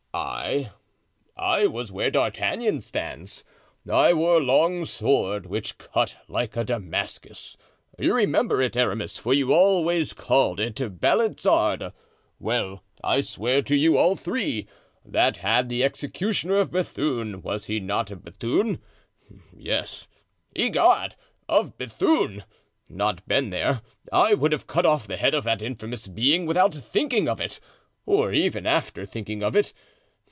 "I—I was where D'Artagnan stands. I wore a long sword which cut like a Damascus—you remember it, Aramis for you always called it Balizarde. Well, I swear to you, all three, that had the executioner of Bethune—was he not of Bethune?—yes, egad! of Bethune!—not been there, I would have cut off the head of that infamous being without thinking of it, or even after thinking of it.